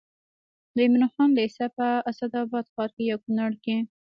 د عمراخان لېسه په اسداباد ښار یا کونړ کې